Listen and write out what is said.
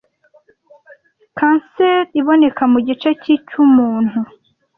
cancer iboneka mugice ki cyumuntu